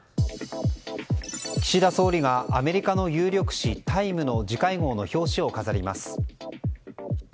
岸田総理がアメリカの有力誌「タイム」の次回号の表紙を飾ります。